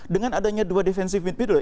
dengan adanya dua defensive inview